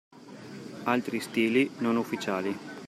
Altri stili, non ufficiali.